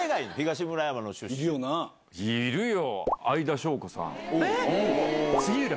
いるよ。